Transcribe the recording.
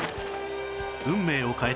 運命を変えた！